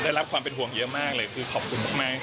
ได้รับความเป็นห่วงเยอะมากเลยคือขอบคุณมาก